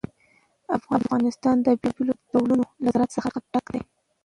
افغانستان د بېلابېلو ډولونو له زراعت څخه ډک دی.